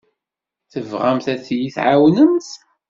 Tebɣamt ad iyi-tɛiwnemt?